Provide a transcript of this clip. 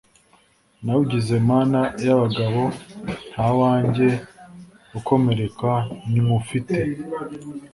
Nawugize mana y' abagaboNta wanjye ukomereka nywufite.